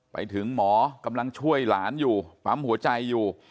ไปถึงหมอกำลังช่วยหลานอยู่ปั๊มหัวใจอยู่